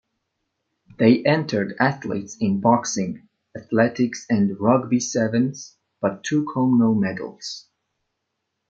They entered athletes in Boxing, Athletics and Rugby Sevens, but took home no medals.